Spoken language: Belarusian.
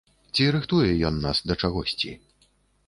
Ці рыхтуе ён нас да чагосьці?